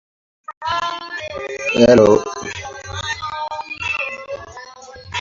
The latter were translated by Gerard of Cremona.